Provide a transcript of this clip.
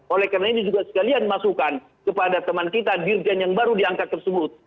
oleh karena ini juga sekalian masukan kepada teman kita dirjen yang baru diangkat tersebut